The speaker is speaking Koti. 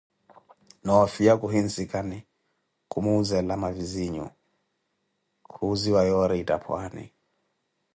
noofiya khuhinsikani, khuwuuzela mavizinho, khuuziwa yoori ettha pwani .